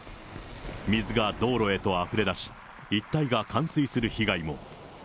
水が道路へとあふれ出し、一帯が冠水する被害も。